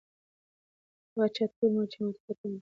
هغه چا ته وویل چې ماته مه په تمه کېږئ.